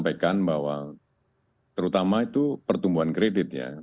tadi saya sampaikan bahwa terutama itu pertumbuhan kreditnya